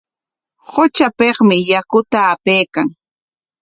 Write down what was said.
Qutrapikmi yakuta apaykan.